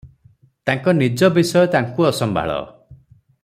ତାଙ୍କ ନିଜ ବିଷୟ ତାଙ୍କୁ ଅସମ୍ଭାଳ ।